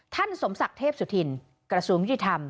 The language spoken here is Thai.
๑ท่านสมศักดิ์เทพสุธินกระทรวงจิตรรรม